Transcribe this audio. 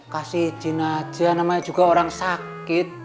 kasih izin aja namanya juga orang sakit